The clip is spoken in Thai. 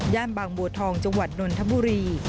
บางบัวทองจังหวัดนนทบุรี